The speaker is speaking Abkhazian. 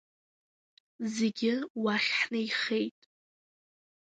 Зегьы уахь ҳнеихеит.